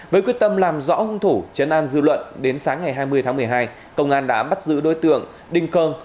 với quyết tâm làm rõ hung thủ chấn an dư luận đến sáng ngày hai mươi tháng một mươi hai công an đã bắt giữ đối tượng đinh cơ